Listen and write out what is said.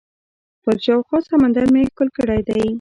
خپل شاوخوا سمندر مې ښکل کړی دئ.